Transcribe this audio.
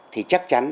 thì chắc chắn